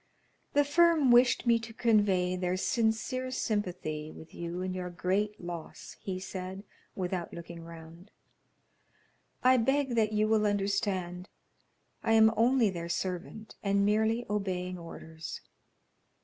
"The firm wished me to convey their sincere sympathy with you in your great loss," he said, without looking round. "I beg that you will understand I am only their servant and merely obeying orders."